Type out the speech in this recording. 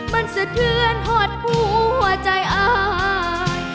มันเสือทื่นหอดหัวใจอาย